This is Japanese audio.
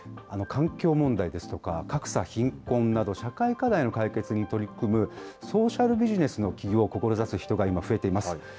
環境問題ですとか、格差、貧困など、社会課題の解決に取り組むソーシャルビジネスの起業を志す人が今、増えています。